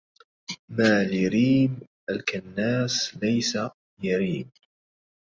ما لريم الكناس ليس يريم